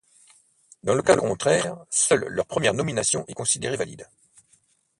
Dans le cas contraire, seul leur première nomination est considérée valide.